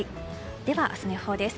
では、明日の予報です。